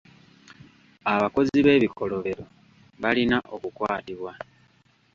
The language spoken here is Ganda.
Abakozi b'ebikolobero balina okukwatibwa.